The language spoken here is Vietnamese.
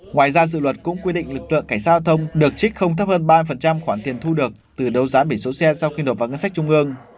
ngoài ra dự luật cũng quy định lực lượng cảnh sát giao thông được trích không thấp hơn ba khoản tiền thu được từ đấu giá biển số xe sau khi nộp vào ngân sách trung ương